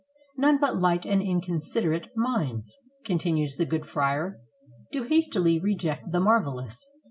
None but light and inconsiderate minds," continues the good friar, "do hastily reject the marvelous.